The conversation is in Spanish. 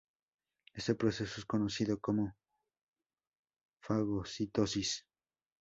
Este proceso es conocido como fagocitosis.